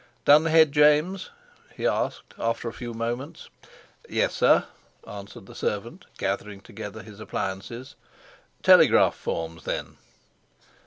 "Done the head, James?" he asked, after a few moments. "Yes, sir," answered the servant, gathering together his appliances. "Telegraph forms, then."